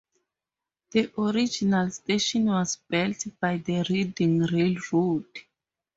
The original station was built by the Reading Railroad.